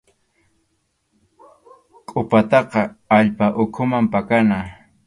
Qʼupataqa allpa ukhuman pakana.